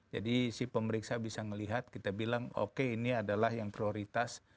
jadi si pemeriksa bisa ngelihat kita bilang oke ini adalah yang prioritas